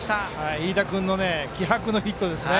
飯田君の気迫のヒットですね。